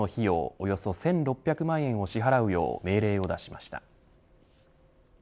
およそ１６００万円を支払うよう命令を出しました。